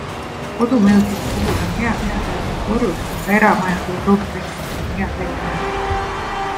Kodumajutuse puhul on hea teada, et nii korrus- kui ka eramajad ei pruugi väljastpoolt head välja näha.